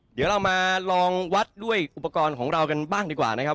เดี๋ยวเรามาลองวัดด้วยอุปกรณ์ของเรากันบ้างดีกว่านะครับ